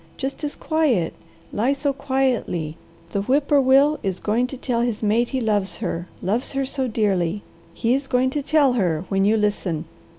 Just as quiet! Lie so quietly. The whip poor will is going to tell his mate he loves her, loves her so dearly. He is going to tell her, when you listen.